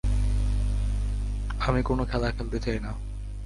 আমি কোনও খেলা খেলতে চাই না।